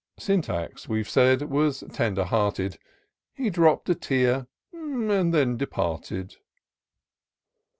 "" Syntax, we've said, was tender hearted, — He dropp'd a tear, and then departed.